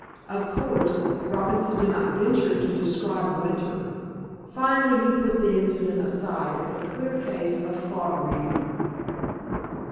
Of course, Robinson did not venture to describe Winter. Finally, he put the incident aside as a clear case of thought reading.